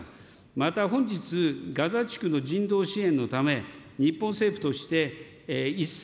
また本日、ガザ地区の人道支援のため、日本政府として、１０００